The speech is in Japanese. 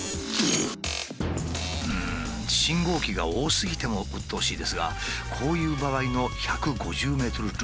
うん信号機が多すぎてもうっとうしいですがこういう場合の１５０ｍルール